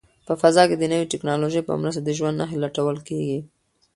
په فضا کې د نوې ټیکنالوژۍ په مرسته د ژوند نښې لټول کیږي.